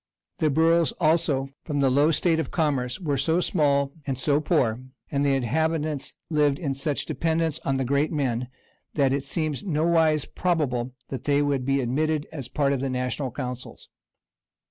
The boroughs also, from the low state of commerce, were so small and so poor, and the inhabitants lived in such dependence on the great men,[] that it seems nowise probable they would be admitted as a part of the national councils.